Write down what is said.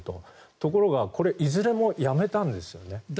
ところが、これいずれもやめたんですよ。